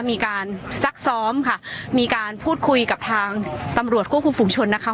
ซักซ้อมค่ะมีการพูดคุยกับทางตำรวจควบคุมฝุงชนนะคะ